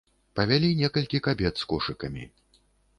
Павялі некалькі кабет з кошыкамі.